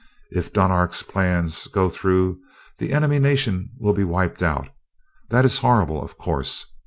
If Dunark's plans go through the enemy nation will be wiped out. That is horrible, of course.